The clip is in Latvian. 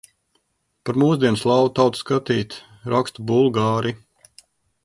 Par mūsdienu slāvu tautu skatīt rakstu bulgāri.